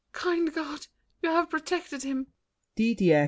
Kind God, You have protected him!